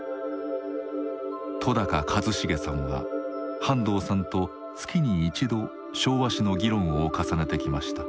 戸一成さんは半藤さんと月に１度昭和史の議論を重ねてきました。